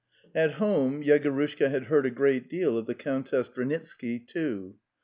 At home Yegorushka had heard a great deal of the Countess Dranitsky, too.